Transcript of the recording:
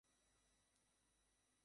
মেয়েটার নাম কি?